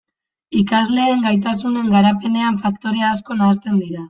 Ikasleen gaitasunen garapenean faktore asko nahasten dira.